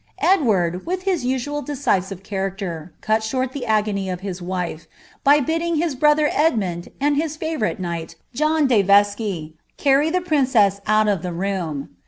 d, with his usual decision of character, cut short the agony oi by bidding his brother Edmund, and his fiivourite knight, John , carry the princess out of the room.